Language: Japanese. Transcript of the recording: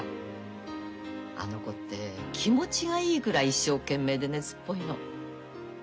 あの子って気持ちがいいぐらい一生懸命で熱っぽいの。